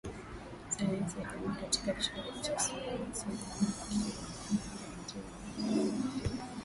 Sayansi ya Jamii katika Chuo cha Sayansi ya Jamii Kivukoni alihitimu na kutunukiwa stashahada